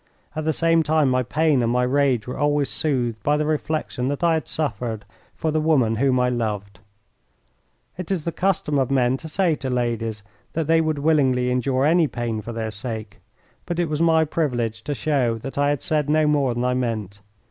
At the same time my pain and my rage were always soothed by the reflection that I had suffered for the woman whom I loved. It is the custom of men to say to ladies that they would willingly endure any pain for their sake, but it was my privilege to show that I had said no more than I meant.